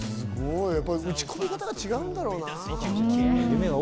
打ち込み方が違うんだろうな。